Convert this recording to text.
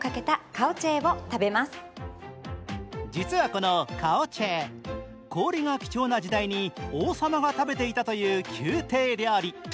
実はこのカオチェー、氷が貴重な時代に王様が食べていたという宮廷料理。